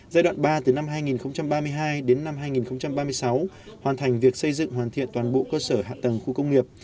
giai đoạn ba từ năm hai nghìn ba mươi hai đến năm hai nghìn ba mươi sáu hoàn thành việc xây dựng hoàn thiện toàn bộ cơ sở hạ tầng khu công nghiệp